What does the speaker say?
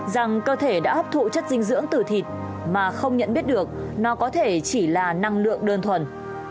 rằng cơ thể đã hấp thụ chất dinh dưỡng từ thịt mà không nhận biết được nó có thể chỉ là năng lượng đơn thuần